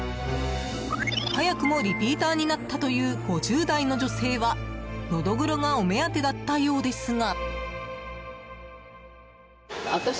早くもリピーターになったという５０代の女性はのどぐろがお目当てだったようですが。